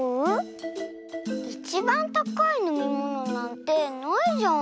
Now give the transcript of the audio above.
いちばんたかいのみものなんてないじゃん。